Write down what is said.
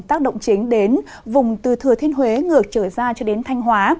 tác động chính đến vùng từ thừa thiên huế ngược trở ra cho đến thanh hóa